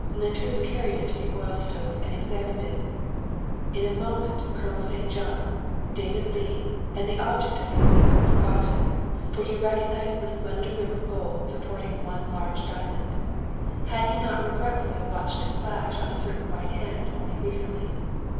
Lyndhurst carried it to the oil stove and examined it. In a moment Colonel St. John, David Leigh, and the object of his visit were forgotten, for he recognized the slender rim of gold supporting one large diamond. Had he not regretfully watched it flash on a certain white hand only recently